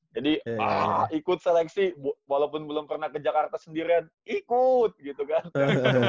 jadi ikut seleksi walaupun belum pernah ke jakarta sendirian ikut gitu kan